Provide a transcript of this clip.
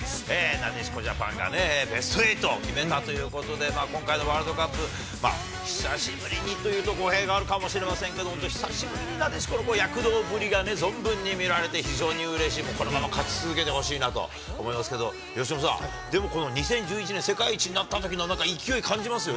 なでしこジャパンがベスト８を決めたということで、今回のワールドカップ、久しぶりにというと語弊があるかもしれませんが、本当に久しぶりに、なでしこの躍動ぶりが存分に見られて、非常にうれしい、このまま勝ち続けてほしいなと思いますけど、由伸さん、でも、この２０１１年、世界一になったときのなんか、勢いを感じますよ